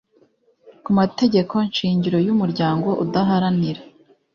ku mategeko shingiro y umuryango udaharanira